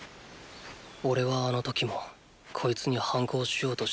おれはあの時もこいつに反抗しようとして。